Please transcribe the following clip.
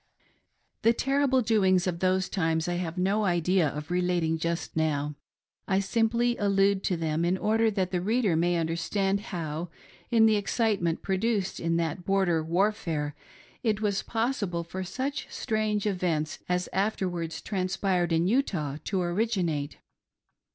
The terrible doings of those times I have no idea of relat ing just now— I simply allude to them in order that the reader 308 "ZION' IN SALT LAKE VALLEY FOUNDED. may understand how, in the excitement produced iff that border warfare, it was possible for such strange events as afterwards transpired in Utah to originate.